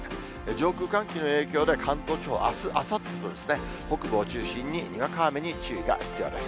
上空、寒気の影響で関東地方、あす、あさってと北部を中心ににわか雨に注意が必要です。